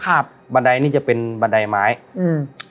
บันไดนี่จะเป็นบันไดไม้อืม